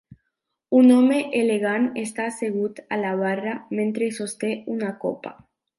Un home elegant està assegut a la barra mentre sosté una copa